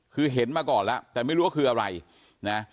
คือเห็นมาก่อนแล้วแต่ไม่รู้ว่าคืออะไรนะ